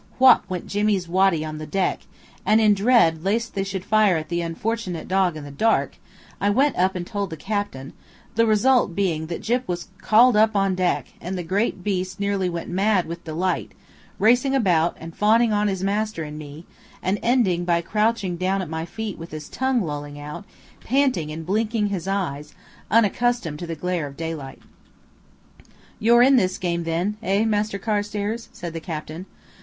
whop went Jimmy's waddy on the deck; and in dread lest they should fire at the unfortunate dog in the dark, I went up and told the captain, the result being that Gyp was called up on deck, and the great beast nearly went mad with delight, racing about, fawning on his master and on me, and ending by crouching down at my feet with his tongue lolling out, panting and blinking his eyes, unaccustomed to the glare of daylight. "You're in this game, then, eh, Master Carstairs?" said the captain.